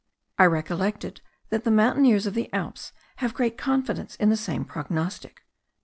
I recollected that the mountaineers of the Alps have great confidence in the same prognostic.